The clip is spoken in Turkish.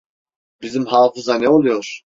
Bizim Hafız’a ne oluyor?